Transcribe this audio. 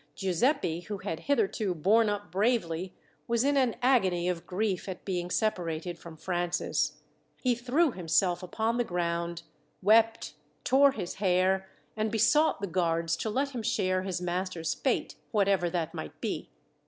Giuseppi, who had hitherto borne up bravely, was in an agony of grief at being separated from Francis. He threw himself upon the ground, wept, tore his hair, and besought the guards to let him share his master's fate, whatever that might be.